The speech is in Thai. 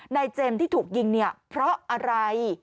เจมส์ที่ถูกยิงเนี่ยเพราะอะไร